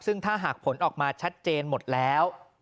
ซึ่งถ้าหากผลออกมาชัดเจนหมดแล้ว